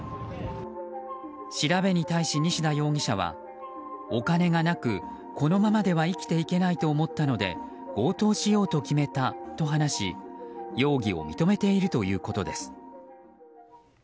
調べに対し、西田容疑者はお金がなくこのままでは生きていけないと思ったので強盗しようと決めたと話し容疑を認めているということです。